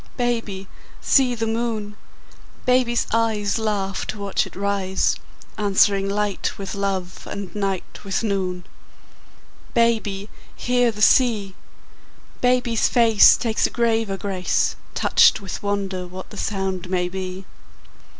Baby, see the moon! Baby's eyes Laugh to watch it rise, Answering light with love and night with noon. Baby, hear the sea! Baby's face Takes a graver grace, Touched with wonder what the sound may be.